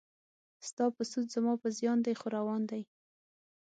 ستا په سود زما په زیان دی خو روان دی.